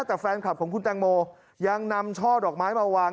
แต่แฟนคลับของคุณแตงโมยังนำช่อดอกไม้มาวาง